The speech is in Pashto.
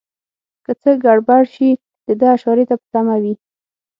که څه ګړبړ شي دده اشارې ته په تمه وي.